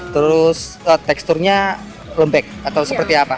terus teksturnya lembek atau seperti apa